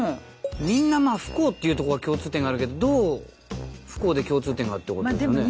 みんなまあ不幸っていうとこが共通点あるけどどう不幸で共通点がってことですよね。